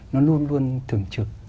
nó luôn luôn thường trực